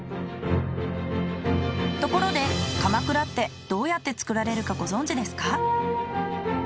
ところでかまくらってどうやって作られるかご存じですか？